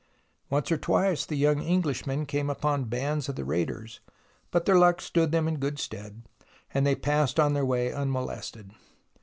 Once or twice the young English men came upon bands of the raiders, but their luck stood them in good stead and they passed on their way unmolested.